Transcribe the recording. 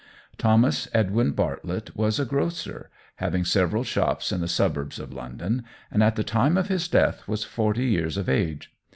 Thomas Edwin Bartlett was a grocer, having several shops in the suburbs of London, and at the time of his death was forty years of age.